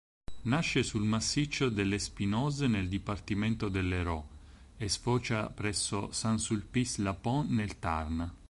Nasce sul Massiccio dell'Espinouse, nel dipartimento dell'Hérault, e sfocia presso Saint-Sulpice-la-Pointe, nel Tarn.